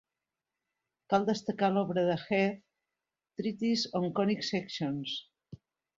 Cal destacar l'obra de Heath "Treatise on Conic Sections".